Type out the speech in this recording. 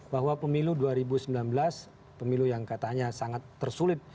bahwa pemilu dua ribu sembilan belas pemilu yang katanya sangat tersulit